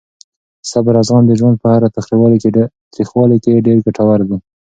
صبر او زغم د ژوند په هره تریخوالې کې ډېر ګټور دي.